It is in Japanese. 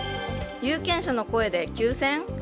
有権者の声で休戦？